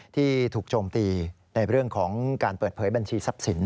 ที่ถูกโจมตีในเรื่องของการเปิดเผยบัญชีทรัพย์สิน